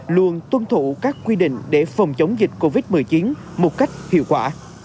luôn tuân thủ các quy định để phòng chống dịch covid một mươi chín một cách hiệu quả